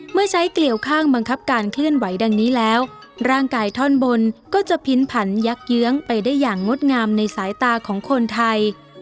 เมื่อใช้เกลี่ยวข้างบังคับการเคลื่อนไหวดังนี้แล้วร่างกายท่อนบนก็จะพิ้นผันยักเยื้องไปได้อย่างงดงามในสายตาของคนไทย